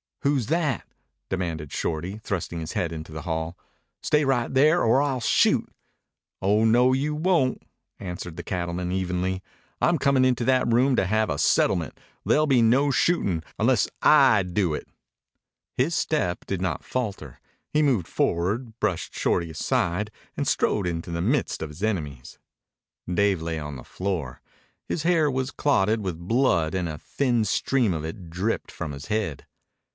"Who's that?" demanded Shorty, thrusting his head into the hall. "Stay right there or I'll shoot." "Oh, no, you won't," answered the cattleman evenly. "I'm comin' into that room to have a settlement. There'll be no shootin' unless I do it." His step did not falter. He moved forward, brushed Shorty aside, and strode into the midst of his enemies. Dave lay on the floor. His hair was clotted with blood and a thin stream of it dripped from his head.